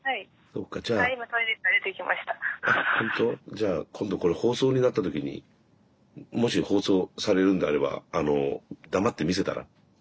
じゃあ今度これ放送になった時にもし放送されるんであれば黙って見せたら？